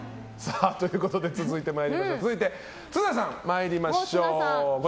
続いて、綱さん参りましょう。